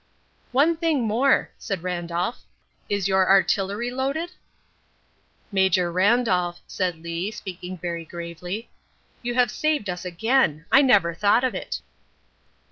"One thing more," said Randolph. "Is your artillery loaded?" "Major Randolph," said Lee, speaking very gravely, "you have saved us again. I never thought of it."